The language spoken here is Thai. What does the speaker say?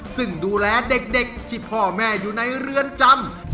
ซึ่งดูแลเด็กที่พ่อแม่อยู่ในเรือนจำ